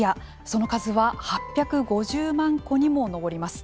その数は８５０万戸にも上ります。